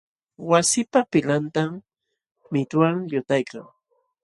Wasipa pilqantam mituwan llutaykan.